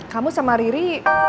kamu sama riri